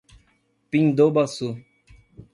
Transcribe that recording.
Pindobaçu